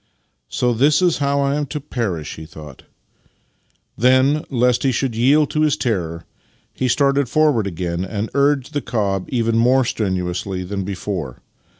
" So this is how I am to perish! " he thought. Then, lest he should yield to his terror, he started forward again, and urged on the cob even more strenuously than before.